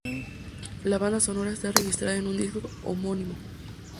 La banda sonora está registrada en un disco compacto homónimo.